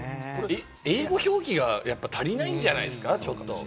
英語表記が足りないんじゃないんですか？